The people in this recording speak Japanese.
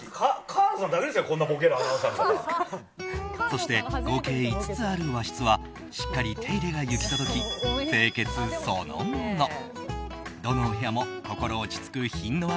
そして、合計５つある和室はしっかり手入れが行き届き清潔そのもの。